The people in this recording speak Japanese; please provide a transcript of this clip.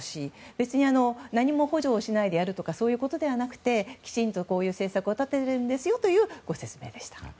別に何も補助しないでやるとかそういうことではなくてきちんとこういう政策を立てているんですよという説明でした。